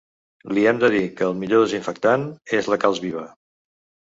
Li hem de dir que el millor desinfectant és la calç viva.